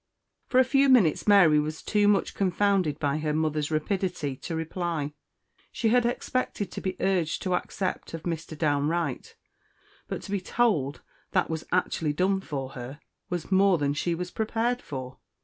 For a few minutes Mary was too much confounded by her mother's rapidity to reply. She had expected to be urged to accept of Mr. Downe Wright; but to be told that was actually done for her was more than she was prepared for.